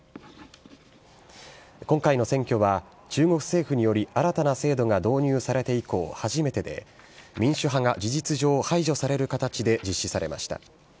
今回の選挙は、中国政府により、新たな制度が導入されて以降初めてで、民主派が事実上排除される形で実施されました。